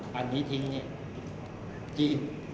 ฮอร์โมนถูกต้องไหม